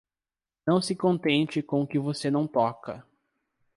Não se contente com o que você não toca.